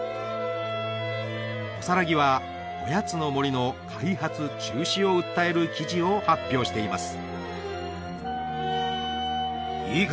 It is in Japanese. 大佛は御谷の森の開発中止を訴える記事を発表しています